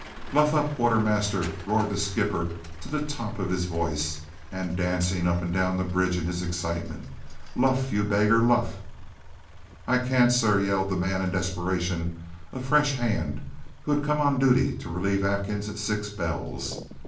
"Luff up, quartermaster!" roared the skipper to the top of his voice and dancing up and down the bridge in his excitement. "Luff, you beggar, luff!" "I can't, sir," yelled the man in desperation a fresh hand who had come on duty to relieve Atkins at six bells.